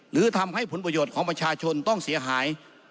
หรือทำให้ผลประโยชน์ของประชาชนต้องเสียหาย